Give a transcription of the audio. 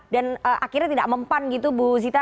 dan akhirnya tidak mempan gitu bu zita